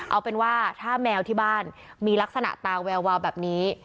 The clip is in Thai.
เอาเป็นว่าถ้าแมวที่บ้านมีลักษณะตาแวววาวแบบนี้